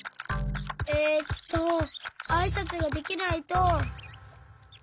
えっとあいさつができないと。